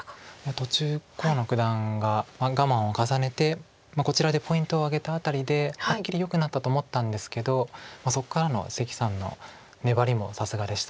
途中河野九段が我慢を重ねてこちらでポイントを挙げた辺りではっきりよくなったと思ったんですけどそこからの関さんの粘りもさすがでした。